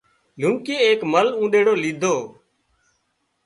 لونڪيئي ايڪ مرل اونۮيڙو ليڌو